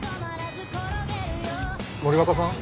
森若さん？